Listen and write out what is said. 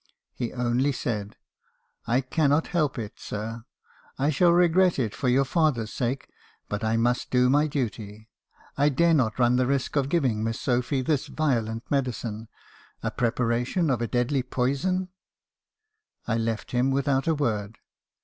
He only said — "'I cannot help it, sir. I shall regret it for your father's sake ; but I must do my duty. 1 dare not run the risk of giving Miss Sophy this violent medicine, — a preparation of a deadly poison.' " I left him without a word.